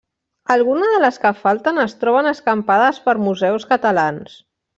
Alguna de les que falten es troben escampades per museus catalans.